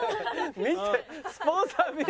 見てスポンサー見て。